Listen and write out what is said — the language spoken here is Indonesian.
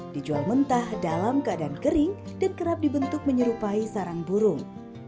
dijual mentah dalam keadaan kering dan kerap dibentuk menyerupai sarang burung